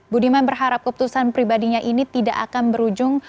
budiman berharap keputusan pribadinya ini tidak akan berujung